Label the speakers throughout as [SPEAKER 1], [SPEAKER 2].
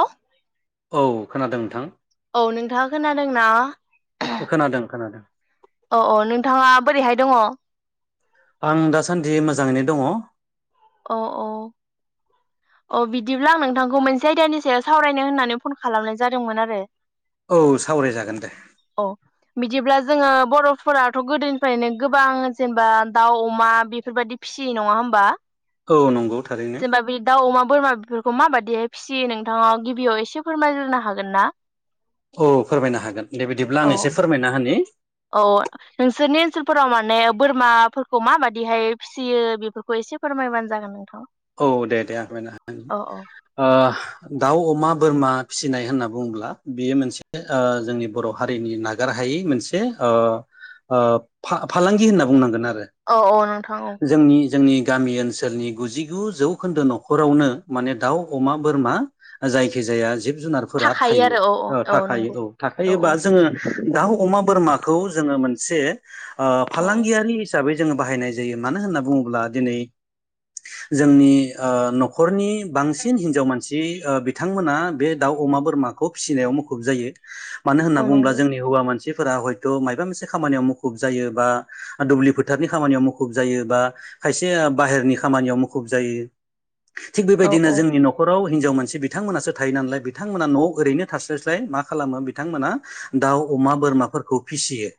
[SPEAKER 1] अ [unintelligible]
[SPEAKER 2] औ खोनादों नोंथां
[SPEAKER 1] नोंथाङा खोनादोंना
[SPEAKER 2] खोनादों खोनादों
[SPEAKER 1] अ अ नोंथाङा बोरैहाय दङ
[SPEAKER 2] आं दासानदि मोजाङैनो दङ
[SPEAKER 1] अ अ अ बिदिब्ला आं नोंथांखौ मोनसे आयदानि सायाव सावरायनो होननानै फन खालामनाय जादोंमोन आरो
[SPEAKER 2] औ सावरायजागोन दे।
[SPEAKER 1] औ बिदिब्ला जोङो बर'फोराथ' गोदोनिफ्रायनो गोबां जेनेबा दाउ अमा बेफोरबायदि फिसि। सि नङा होमबा
[SPEAKER 2] औ नंगौ थारैनो
[SPEAKER 1] जेनेबा बे दाउ अमा बोरमा बेफोर खौ माबादियै फियो नोंथाङा गिबियाव एसे फोरमायग्रोनो हागोनना
[SPEAKER 2] औ फोरमायनो हागोन दे बिदिब्ला
[SPEAKER 1] औ
[SPEAKER 2] आं एसे फोरमायना होनि
[SPEAKER 1] औ नोंसोरनि ओनसोलफोराव माने बोरमाफोरखौ माबादियैहाय फिसियो बेफोरखौ एसे एसे फोरमायबानो जागोन नोंथां।
[SPEAKER 2] औ दे दे आं होना होनि
[SPEAKER 1] औ औ
[SPEAKER 2] ओ दाउ अमा बोरमा फिसिनाय होनना बुङोब्ला बेयो मोनसे ओ जोंनि बर' हारिनि नागारहाय हायि मोनसे ओ ओ फा-फालांगि होनना बुंनांगोन आरो।
[SPEAKER 1] औ औ नोंथां औ।
[SPEAKER 2] जोंनि जोंनि गामि ओनसोलनि गुजि [unintelligible] जौखोन्दो न'खरावनो माने दाउ अमा बोरमा जायखि जाया जिब जुनारफोरा थायो औ थाखायो औ
[SPEAKER 1] औ औ
[SPEAKER 2] थाखायोबा जोङो दाउ अमा बोरमाखौ जोङो मोनसे ओ
[SPEAKER 1] औ
[SPEAKER 2] फालांगियारि हिसाबै जोङो बाहायनाय जायो मानो होनना बुङोब्ला दिनै जोंनि ओ न'खरनि बांसिन हिनजाव मानसि ओ बिथांमोना बे दाउ अमा बोरमाखौ फिसिनायाव मुखुब जायो। मानो होन्ना
[SPEAKER 1] औ
[SPEAKER 2] बुङोब्ला
[SPEAKER 1] नंगौ
[SPEAKER 2] जोंनि हौवा मानसि फोरा हयथ' मायबा मोनसे खामानियाव मुखुब जायो बा दुब्लि फोथारनि खामानियाव मुखुब जायो बा खायसे बाहेरनि खामानियाव मुखुब जायो थिग
[SPEAKER 1] औ
[SPEAKER 2] बेबायदिनो जोंनि न'खराव हिनजाव मानसि बिथांमोनासो थायो नालाय बिथांमोना न' ओरैनो थास्लायस्लाय मा खालामो बिथांमोना दाउ अमा बोरमाफोरखौ फिसियो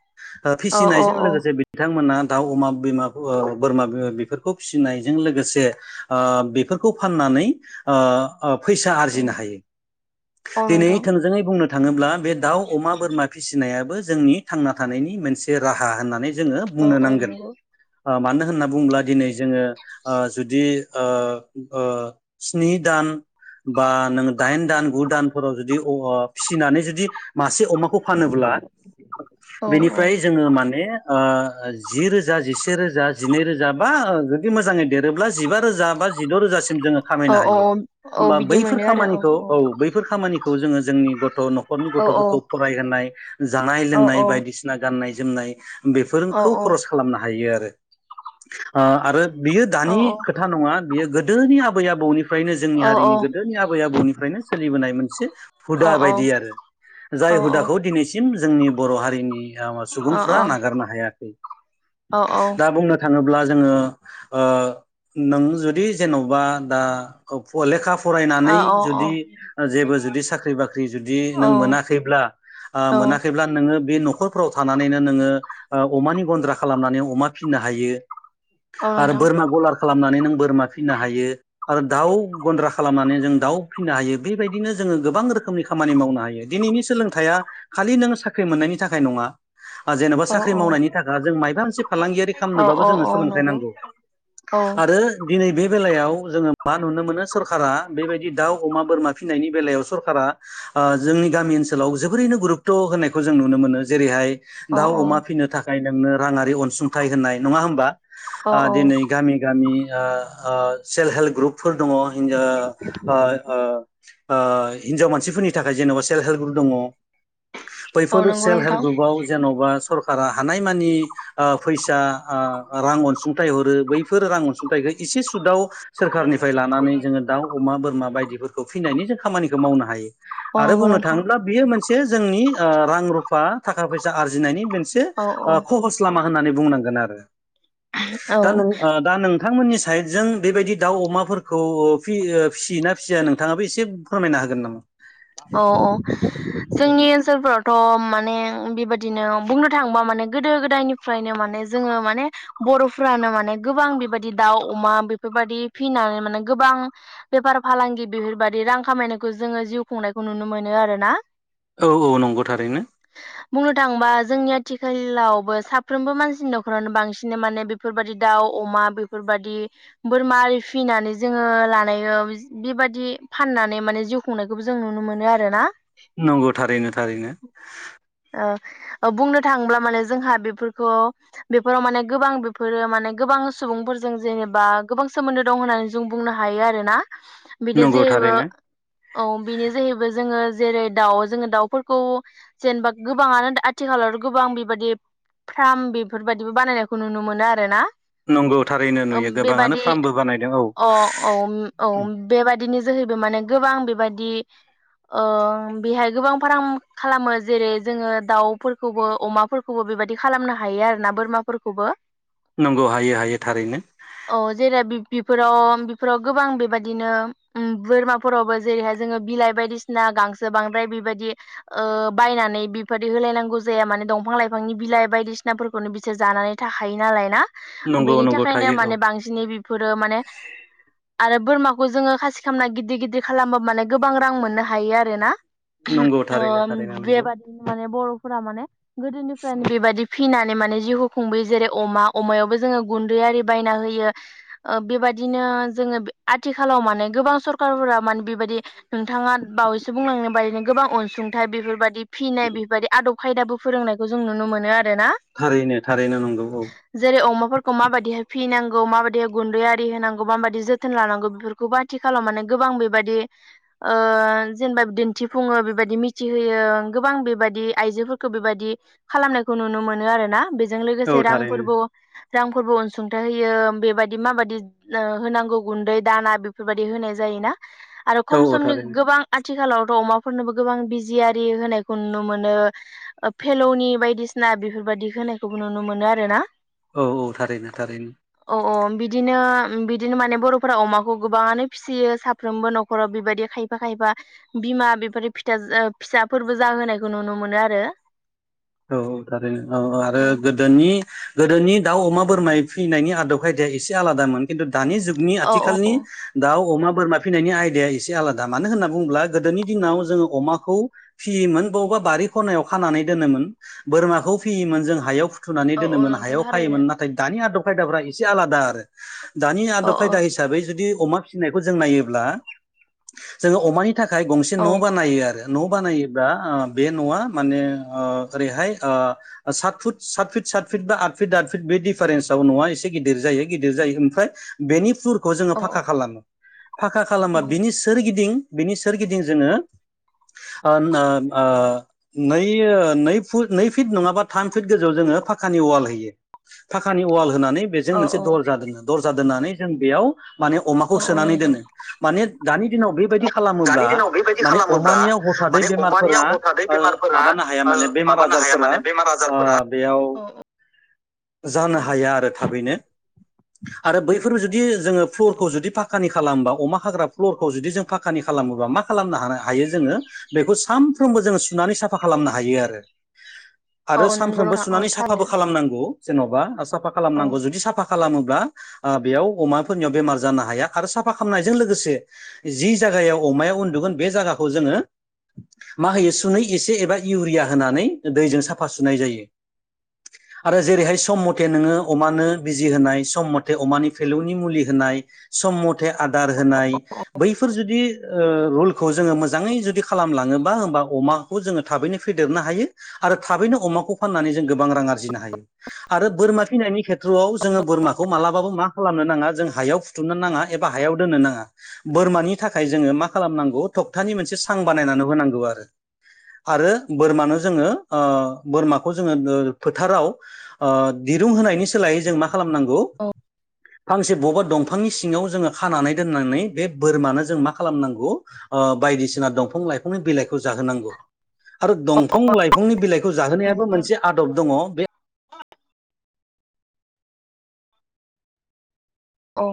[SPEAKER 2] ओ
[SPEAKER 1] औ औ
[SPEAKER 2] फिसिनायजों लोगोसे बिथांमोना दाउ अमा बिमा ओ बोरमा बेफोरखौ फिनायजों लोगोसे जे ओ बेफोरखौ फाननानै ओ ओ फैसा
[SPEAKER 1] औ
[SPEAKER 2] आरजिनो हायो
[SPEAKER 1] औ
[SPEAKER 2] दिनै
[SPEAKER 1] नोंथां
[SPEAKER 2] थोंजोङै बुंनो थाङोब्ला बे दाउ अमा बोरमा फिसिनायाबो जोंनि थांना थानायनि मोनसे राहा होननानै जोङो
[SPEAKER 1] औ
[SPEAKER 2] बुंनो
[SPEAKER 1] औ
[SPEAKER 2] नांगोन
[SPEAKER 1] नंगौ
[SPEAKER 2] ओ मानो होन्ना बुङोब्ला दिनै जोङो ओ जुदि ओ ओ स्नि दान बा नोङो दाइन दान गु दानफोराव जुदि [unintelligible] फिसिनानै जुदि मासे अमाखौ फानोब्ला
[SPEAKER 1] औ
[SPEAKER 2] बेनिफ्राय जोङो माने ओ जि रोजा जिसे रोजा जिनै रोजा बा जुदि मोजाङै देरोब्ला जिबा रोजा बा जिद' रोजासिम जोङो
[SPEAKER 1] औ
[SPEAKER 2] खामायनो हायो।
[SPEAKER 1] औ औ
[SPEAKER 2] होमबा
[SPEAKER 1] बिदि
[SPEAKER 2] बैफोर
[SPEAKER 1] मोनो आरो
[SPEAKER 2] खामानिखौ औ बैफोर खामानिखौ जोङो जोंनि गथ' न'खरनि
[SPEAKER 1] औ
[SPEAKER 2] गथ'फोरखौ फरायहोनाय। जानाय
[SPEAKER 1] औ
[SPEAKER 2] लोंनाय बायदिसिना गाननाय जोमनाय
[SPEAKER 1] औ
[SPEAKER 2] बेफोरखौ खरस खालामनो हायो आरो ओ आरो बि
[SPEAKER 1] औ
[SPEAKER 2] दानि खोथा नङा बियो गोदोनि आबै आबौनि फ्रायनो
[SPEAKER 1] औ
[SPEAKER 2] जोंनि हारिनि गोदोनि आबै आबौनिफ्रायनो सोलिबोनाय मोनसे
[SPEAKER 1] औ
[SPEAKER 2] हुदा
[SPEAKER 1] औ
[SPEAKER 2] बायदि आरो जाय
[SPEAKER 1] औ
[SPEAKER 2] हुदाखौ दिनैसिम जोंनि बर' हारिनि [unintelligible] सुबुंफ्रा नागारनो हायाखै दा बुंनो थाङोब्ला जोङो ओ नों जुदि जेन'बा दा [unintelligible] फरायनानै जुदि जेबो जुदि साख्रि बाख्रि जुदि नों
[SPEAKER 1] औ
[SPEAKER 2] मोनाखैब्ला ओ
[SPEAKER 1] औ
[SPEAKER 2] मोनाखैब्ला नोङो बे न'खरफोराव थानानैनो नोङो अमानि गन्द्रा खालामनानै अमा फिनो हायो। आरो
[SPEAKER 1] नोंथां
[SPEAKER 2] बोरमा गलार खालामनानै नों बोरमा फिनो हायो। आरो दाउ गन्द्रा खालामनानै जों दाउ फिसिनो हायो बेबायदिनो जोङो गोबां रोखोमनि खामानि मावनो हायो दिनै नि सोलोंथाइआ खालि नों साख्रि मोननायनि थाखाय नङा। जेन'बा
[SPEAKER 1] औ
[SPEAKER 2] साख्रि मावनायनि थाखाय जों मायाबा मोनसे फालांगियारि
[SPEAKER 1] औ औ
[SPEAKER 2] खालामनोबाबो जोङो
[SPEAKER 1] औ
[SPEAKER 2] सोलोंथाइ
[SPEAKER 1] नंगौ
[SPEAKER 2] नांगौ।
[SPEAKER 1] औ
[SPEAKER 2] आरो दिनै बे बेलायाव जोङो मा नुनो मोनो सरकारा बेबायदि दाउ अमा बोरमा फिनायनि बेलायाव सरकारा ओ जोंनि गामि ओनसोलाव जोबोरैनो गुरुतथ' होनायखौ जों नुनो मोनो जेरैहाय
[SPEAKER 1] औ औ
[SPEAKER 2] दाउ अमा फिनो थाखाय नोंनो राङारि अनसुंथाइ होनाय नङा होमबा
[SPEAKER 1] औ
[SPEAKER 2] ओ दिनै गामि गामि ओ ओ सेल्फ हेल्प ग्रुपफोर दङ हिजाव ओ ओ ओइ हिनजाव मानसिफोरनि थाखाय जेन'बा सेल्फ हेल्प ग्रुप दङ
[SPEAKER 1] औ
[SPEAKER 2] बैफोर
[SPEAKER 1] नंगौ
[SPEAKER 2] सेल्फ हेल्प
[SPEAKER 1] नोंथां
[SPEAKER 2] ग्रुपाव जेन'बा सरकारा हानायमानि ओ फैसा आं रां अनसुंथाइ हरो बैफोर रां अनसुंथाइखौ एसे सुदाव सोरखारनिफ्राय लानानै जोङो दाउ अमा बोरमा बायदिफोरखौ फिनायनि जों खामानिखौ मावनो हायो
[SPEAKER 1] औ
[SPEAKER 2] आरो
[SPEAKER 1] नंगौ
[SPEAKER 2] बुंनो
[SPEAKER 1] नोंथां
[SPEAKER 2] थाङोब्ला बियो मोनसे जोंनि ओ रां रुफ बा थाखा फैसा आर्जिनायनि मोनसे
[SPEAKER 1] औ
[SPEAKER 2] खहस लामा होननानै बुंनांगोन आरो दा
[SPEAKER 1] औ
[SPEAKER 2] नों आ दा नों नोंथांमोननि साइडजों बेबायदि दाउ अमाफोरखौ फि ओ फिसियोना फिसिया नोंथाङाबो इसे फोरमायना हागोन नामा
[SPEAKER 1] अ औ जोंनि ओनसोलफोराव थ माने बेबायदिनो बुंनो थाङोबा माने गोदो गोदायनिफ्रायनो माने जोङो माने बर फ्रानो माने गोबां बेबायदि दाउ अमा बेफोरबायदि फिसिनानै माने गोबां बेफार फालांगि बेफोरबायदि रां खामायनायखौ जोङो जिउ खुंनायखौ नुनो मोनो आरोना
[SPEAKER 2] औ औ नंगौ थारैनो
[SPEAKER 1] बुंनो थाङोबा जोंनि आथिखालावबो साफ्रोमबो मानसिनि न'खरावनो बांसिनै माने बेफोरबादि दाउ अमा बेफोर बादि बोरमा आरि फिनानै जोङो लानाय बेबायदि फाननानै माने जिउ खुंनो बेखौबो जों नुनो मोनो आरो ना
[SPEAKER 2] नंगौ थारैनो थारैनो
[SPEAKER 1] ओ बुंनो थाङोब्ला माने जोंहा बेफोरखौ बेफोराव माने गोबां बेफोरो माने गोबां सुबुंफोर जों जेनेबा गोबां सोमोन्दो दं होननानै जों बुंनो हायो आरोना बिनो
[SPEAKER 2] नंगौ
[SPEAKER 1] जे
[SPEAKER 2] थारैनो
[SPEAKER 1] बिनो जाहैबाय जों जेरै दाउ जोङो दाउफोरखौ जेनेबा गोबाङानो आथिखालाव गोबां बेबायदि फार्म बेफोरबायदिबो बानायनायखौ नुनो मोनो आरो ना
[SPEAKER 2] नंगौ थारैनो
[SPEAKER 1] ओम
[SPEAKER 2] नुयो गोबाङानो
[SPEAKER 1] बेबादि
[SPEAKER 2] फार्मबो बानायदों
[SPEAKER 1] अ औ औ बेबादिनि जो सोरबो माने गोबां बेबायदि ओ बेहाय गोबां फार्म खालामो जेरै जोङो दाउफोरखौबो अमाफोरखौबो बेबायदि खालामनो हायो आरोना बोरमाफोरखौबो
[SPEAKER 2] नंगौ हाय हायो थारैनो
[SPEAKER 1] औ जेरै बेफोराव बेफोराव गोबां बेबायदिनो उम बोरमाफोरावबो जेरैहाय जोङो बिलाइ बायदिसिना गांसो बांद्राय बेबायदि ओ बायनानै बेबायादि होलायनांगौ जाया माने दंफां लाइफांनि बिलाइ बायदिसिनाफोरखौनो बिसोर जानानै थाखायो नालाय ना
[SPEAKER 2] नंगौ
[SPEAKER 1] बेनि
[SPEAKER 2] नंगौ
[SPEAKER 1] थाखायनो
[SPEAKER 2] थायो औ
[SPEAKER 1] माने बांसिनै बेफोरो माने आरो बोरमाखौ जोङो खासि खालामामना गिदिर गिदिर खालामबा माने गोबां रां मोननो हायो आरोना
[SPEAKER 2] नंगौ थारैनो
[SPEAKER 1] ओम
[SPEAKER 2] थारैनो नंगौ
[SPEAKER 1] बेबादिनो माने बर'फोरा माने गोदोनिफ्रायनो बेबायदि फिनानै माने जिउखौ खुंबोयो जेरै अमा अमायावबो जोङो गुन्दै आरि बायना होयो ओ बेबा बिदिनो जोङो आथिखालाव माने गोबां सरखारफोरा माने बेबायदि नोंथाङा बावैसो बुंलांनो बायदिनो गोबां अनसुंथाइ बेफोरबायदि फिनाय बेबायदि आदब खायदाबो फोरोंनायखौ जों नुनो मोनो आरो रोना
[SPEAKER 2] थारैनो थारैनो नंगौ औ
[SPEAKER 1] जेरै अमाफोरखौ माबायदिहाय फिनां गौ माबायदि गुन्दै आरि होनांगौ माबायदि जोथोन लानांगौ बेफोरखौ बाथि खालामनानै गोबां बे बादि ओ जेनेबा दिन्थिफुङो बेबायदि मिथिहोयो गोबां बेबायदि आइ जोफोरखौ बेबायदि खालामनायखौ नुनो मोनो आरो ना बेजों
[SPEAKER 2] औ
[SPEAKER 1] लोगोसे
[SPEAKER 2] थारैनो
[SPEAKER 1] रांफोरबो रांफोरबो अनसुंथाइ होयो बेबायदि माबायदि होनांगौ गुन्दै दाना बेफोरबायदि होनाय जायोना आरो
[SPEAKER 2] औ
[SPEAKER 1] खम
[SPEAKER 2] औ
[SPEAKER 1] समनि
[SPEAKER 2] थारैनो
[SPEAKER 1] गोबां आथिखालावथ अमाफोरनोबो गोबां बिजियि होनायखौ नुनो मोनो फेलौनि बायदिसिना बेफोरबायदि होनायखौबो नुनो मोनो आरो ना
[SPEAKER 2] औ औ थारैनो थारैनो
[SPEAKER 1] अ बिदिनो बिदिनो माने बर फोरा अमाखौ गोबाङानो फिसियो सा साफ्रोमबो न'खराव बेबायदि खायफा खायफा बिमा बेफोर फिथ फिसाफोरबो जाहोनायखौ नुनो मोनो आरो
[SPEAKER 2] औ औ थार औ औ आरो गोदोनि गोदोनि दाउ अमा बोरमाय फैनायनि आदब खायदाया एसे आलादामोन खिन्थु दानि जुगनि
[SPEAKER 1] औ
[SPEAKER 2] आथिखालनि दाउ अमा बोरमा फिनायनि आयदाया एसे आलादा मानो होनना बुङोब्ला गोदोनि दिनाव जोङो अमाखौ फियोमोन बबावबा बारि खनायाव खानानै दोनोमोन बोरमाखौ फियोमोन जों हायाव फुथुनानै
[SPEAKER 1] औ औ
[SPEAKER 2] दोनोमोन
[SPEAKER 1] नोंथां
[SPEAKER 2] हायाव
[SPEAKER 1] थारैनो
[SPEAKER 2] खायोमोन नाथाय दानि आदब खायदाफ्रा एसे आलादा आरो दानि
[SPEAKER 1] औ
[SPEAKER 2] आदब
[SPEAKER 1] औ
[SPEAKER 2] खायदा हिसाबै जुदि अमा फिसिनायखौ जों नायोब्ला जोङो अमानि थाखाय गंसे
[SPEAKER 1] औ
[SPEAKER 2] न' बा नायो आरो न' बानायोबा बे न'आ माने ओ ओरैहाय ओ साथ फुत साथ फित साथ फित बा आथ फित आथ फिर बे डिफारेन्सआव नङा एसे गिदिर जायो गिदिर जायो ओफ्राय बेनि फुरखौ जोङो
[SPEAKER 1] औ
[SPEAKER 2] फाखा खालामो फाखा खालामा
[SPEAKER 1] औ
[SPEAKER 2] बिनि सोरगिदिं बिनि सोरगिदिं जोङो ओ ओ नै नै नै फिट नङाबा थाम फिट गोजौ फाखानि अवाल होयो अवाल होयो होनानै बेजों
[SPEAKER 1] औ
[SPEAKER 2] मोनसे दरजा दोनो दरजा दोननानै जों बेयाव माने अमाखौ
[SPEAKER 1] औ औ
[SPEAKER 2] सोनानै
[SPEAKER 1] नोंथां
[SPEAKER 2] दोनो माने दानि दिनाव बेबायदि खालामोब्ला
[SPEAKER 1] दानि दिनाव बेबायदि
[SPEAKER 2] माने
[SPEAKER 1] खालामोब्ला
[SPEAKER 2] अमानिया थादै
[SPEAKER 1] माने
[SPEAKER 2] बेमारफोरा
[SPEAKER 1] अमानियाव हथादै बेमारफोरा
[SPEAKER 2] माबानो हाया
[SPEAKER 1] ओ
[SPEAKER 2] माने बेमार
[SPEAKER 1] माबानो हाया
[SPEAKER 2] आजारफोरा
[SPEAKER 1] माने बेमार
[SPEAKER 2] ओ
[SPEAKER 1] आजारफोरा
[SPEAKER 2] बेयाव
[SPEAKER 1] औ
[SPEAKER 2] जानो हाया आरो थाबैनो आरो
[SPEAKER 1] औ
[SPEAKER 2] बैफोरबो जुदि जोङो फ्लरखौ जुदि फाख फाखानि खालामोबा अमा हाग्रा फ्लरखौ जुदि जों फाखानि खालामोबा मा खालामनो हा हायो जोङो बेखौ साम सानफ्रोमबो जोङो सुनानै साफा खालामनो हायो आरो आरो
[SPEAKER 1] औ औ नंगौ
[SPEAKER 2] सानफ्रोमबो
[SPEAKER 1] नोंथां औ
[SPEAKER 2] सुनानै साफाबो
[SPEAKER 1] थारैनो
[SPEAKER 2] खालामनांगौ जेन'बा साफा खालामनांगौ
[SPEAKER 1] औ
[SPEAKER 2] जुदि साफा खालामोब्ला बेयाव अमाफोरनियाव बेमार जानो हाया आरो साफा खालामनायजों लोगोसे जि जाय जि जायगायाव अमाया उनदुगोन बे जायगाखौ जोङो मा होयो सुनै एसे एबा इउरिया होनानै दैजों साफा सुनाय जायो
[SPEAKER 1] [inaudible]
[SPEAKER 2] आरो जेरैहाय सम मथे नोङो अमानो बिजि होनाय सम मथे अमानि फेलौनि मुलि होनाय सम मथे आदार होनाय बैफोर जुदि ओ रुलखौ जोङो मोजाङै जुदि खालामलाङोब बा होनबा अमाखौ जों थाबैनो फेदेरनो हायो आरो थाबैनो अमाखौ फाननानै जों गोबां रां आरजिनो हायो आरो बोरमा फिनायनि खे नआव जोङो बोरमाखौ मालाबाबो मा खालामनो नाङा जों हायाव फुथुनो नाङा एबा हायाव दोननो नाङा बोरमानि थाखाय जोङो मा खालामनांगौ थखथानि मोनसे स बानायनानै होनांगौ आरो आरो बोरमानो जोङो ओ बोरमाखौ जोङो ओ फोथाराव ओ दिरुं होनायनि सोलायै जों मा खालामनांगौ
[SPEAKER 1] औ
[SPEAKER 2] फांसे बबेबा दंफांनि सिङाव जोङो खानानै दोननानै बे बोरमानो जों मा खालामनांगौ बायदिसिना दंफां लाइफांनि बिलाइखौ जाहोनांगौ आरो दंफां लाइफांनि बिलाइखौ जाहोनायाबो मोनसे आदब दङ बे
[SPEAKER 1] औ